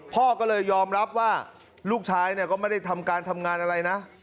พ่อก็เลยยอมรับว่าลูกชายเนี่ยก็ไม่ได้ทำการทำงานอะไรนะ